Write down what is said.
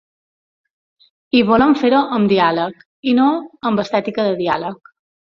I volem fer-ho amb diàleg, i no amb estètica de diàleg.